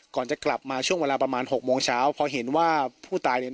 ก่อนจะกลับมาช่วงเวลาประมาณหกโมงเช้าพอเห็นว่าผู้ตายเนี่ย